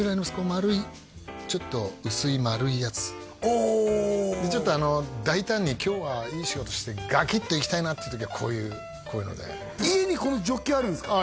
丸いちょっと薄い丸いやつおちょっと大胆に今日はいい仕事してガキッといきたいなって時はこういうこういうので家にこのジョッキあるんですか？